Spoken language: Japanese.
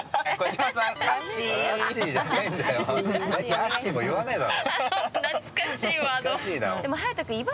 アッシーも言わねえだろ。